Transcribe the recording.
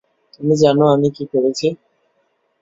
তুমি জানো আমি কি করেছি?